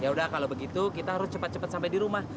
ya udah kalau begitu kita harus cepat cepat sampai di rumah